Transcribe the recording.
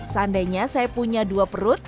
seandainya saya punya dua perut